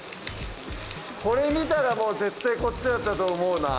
これ見たらもう絶対こっちだったと思うな。